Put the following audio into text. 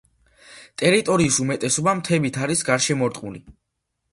ტერიტორიის უმეტესობა მთებით არის გარშემორტყმული.